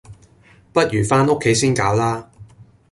不如返屋企先搞啦